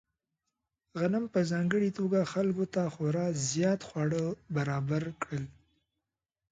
غنم په ځانګړې توګه خلکو ته خورا زیات خواړه برابر کړل.